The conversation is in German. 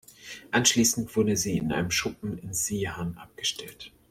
Anschließend wurden sie in einem Schuppen in Zeehan abgestellt.